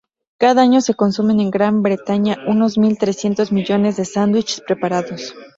Cada año se consumen en Gran Bretaña unos mil trescientos millones de sándwiches preparados.